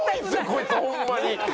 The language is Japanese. こいつホンマに。